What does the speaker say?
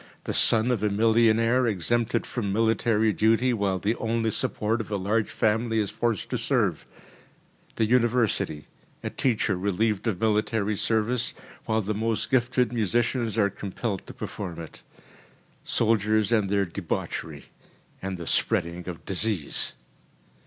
The son of a millionaire exempted from military duty, while the only support of a large family is forced to serve. The university: a teacher relieved of military service, while the most gifted musicians are compelled to perform it. Soldiers and their debauchery and the spreading of disease.